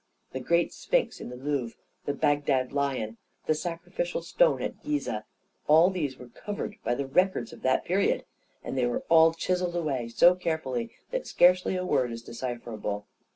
The great Sphinx in the Louvre, the Bagdad lion, the sacrificial stone at Gizeh — all these were cov ered by the records of that period ; and they were all chiselled away so carefully that scarcely a word is decipherable.